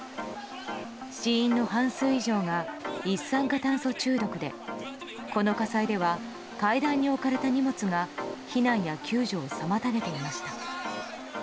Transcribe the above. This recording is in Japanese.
死因の半数以上が一酸化炭素中毒でこの火災では階段に置かれた荷物が避難や救助を妨げていました。